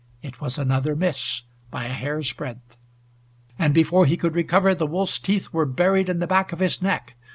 It was another miss by a hair's breadth and before he could recover, the wolf's teeth were buried in the back of his neck.